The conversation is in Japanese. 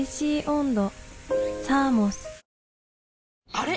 あれ？